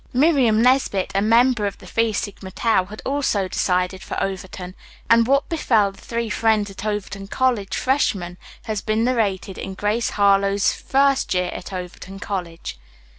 Miriam Nesbit, a member of the Phi Sigma Tau, had also decided for Overton, and what befell the three friends as Overton College freshmen has been narrated in "Grace Harlowe's First Year at Overton College."